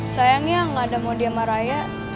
sayangnya nggak ada modi sama raya